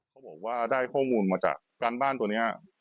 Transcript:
เขาบอกว่าได้ข้อมูลมาจากการบ้านตัวนี้